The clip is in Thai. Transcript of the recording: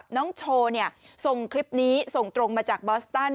น้องโชว์ส่งคลิปนี้ส่งตรงมาจากบอสตัน